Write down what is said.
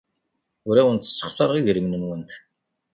Ur awent-ssexṣareɣ idrimen-nwent.